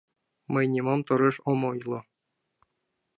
Мый нимом тореш ом ойло...